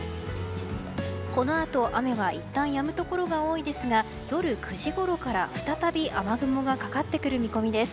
このあと雨はいったんやむところが多いですが夜９時ごろから、再び雨雲がかかってくる見込みです。